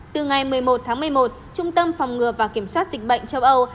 từ ngày một mươi một tháng một mươi một trung tâm phòng ngừa và kiểm soát dịch bệnh châu âu